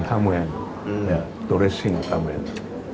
ตัวจริงทำเอง